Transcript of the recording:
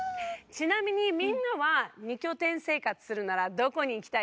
ちなみにみんなは二拠点生活するならどこにいきたい？